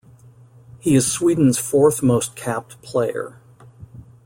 He is Sweden's fourth most capped player.